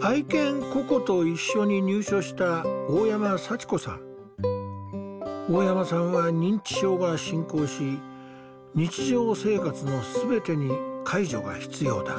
愛犬ココと一緒に入所した大山さんは認知症が進行し日常生活の全てに介助が必要だ。